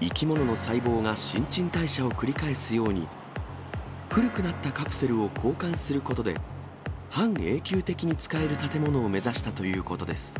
生き物の細胞が新陳代謝を繰り返すように、古くなったカプセルを交換することで、半永久的に使える建物を目指したということです。